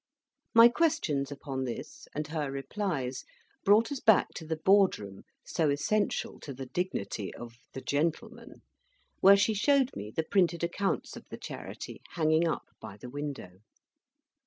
My questions upon this, and her replies, brought us back to the Board Room so essential to the dignity of "the gentlemen," where she showed me the printed accounts of the Charity hanging up by the window.